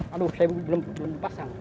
aduh saya belum pasang